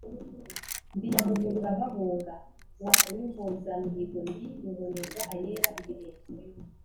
Ndi Nyamuhurura bahunga, wa Ruhozamihigo, ndi Ruboneza ayera ibirenge